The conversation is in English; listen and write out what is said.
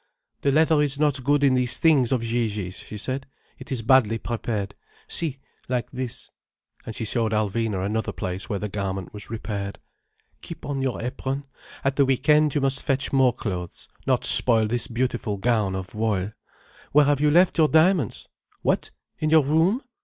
"The leather is not good in these things of Gigi's," she said. "It is badly prepared. See, like this." And she showed Alvina another place where the garment was repaired. "Keep on your apron. At the week end you must fetch more clothes, not spoil this beautiful gown of voile. Where have you left your diamonds? What? In your room?